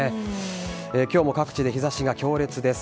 今日も各地で日差しが強烈です。